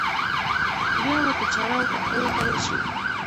بیا ورته چاره ولټول شي.